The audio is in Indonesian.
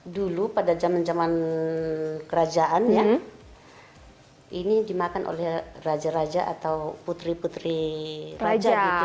dulu pada zaman zaman kerajaan ya ini dimakan oleh raja raja atau putri putri raja gitu